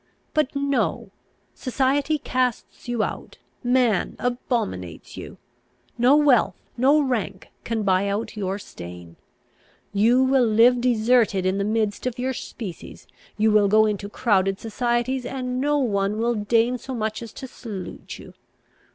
But, no! society casts you out; man abominates you. No wealth, no rank, can buy out your stain. You will live deserted in the midst of your species; you will go into crowded societies, and no one will deign so much as to salute you.